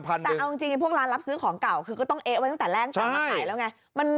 แต่เอาจริงพวกร้านรับซื้อของเก่าคือก็ต้องเอ๊ะไว้ตั้งแต่แรกตอนมาขายแล้วไง